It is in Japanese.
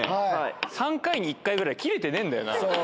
３回に１回ぐらい、切れてねぇんだよな。